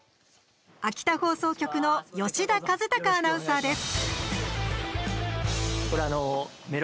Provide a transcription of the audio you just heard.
秋田放送局の吉田一貴アナウンサーです。